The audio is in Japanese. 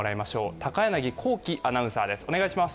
高柳光希アナウンサーです。